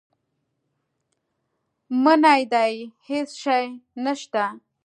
منی دی هېڅ شی نه شته.